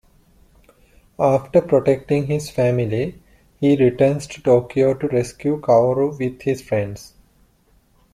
After protecting his family, he returns to Tokyo to rescue Kaoru with his friends.